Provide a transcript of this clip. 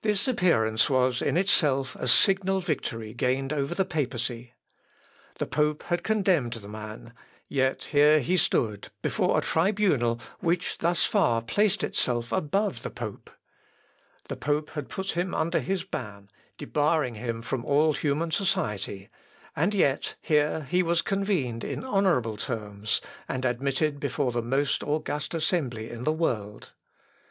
This appearance was in itself a signal victory gained over the papacy. The pope had condemned the man; yet here he stood before a tribunal which thus far placed itself above the pope. The pope had put him under his ban, debarring him from all human society, and yet here he was convened in honourable terms, and admitted before the most august assembly in the world.